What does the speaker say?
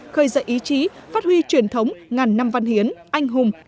khơi dậy ý chí phát huy truyền thống ngàn năm văn hiến anh hùng